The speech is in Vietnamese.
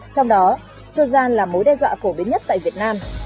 trong đó trojan là mối đe dọa phổ biến nhất tại việt nam